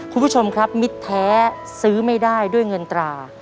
คุณผู้ชมครับมิตรแท้ซื้อไม่ได้ด้วยเงินตรา